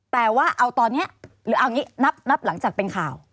แต่ว่าเอาตอนนี้หรือเอาอย่างนี้นับหลังจากเป็นข่าว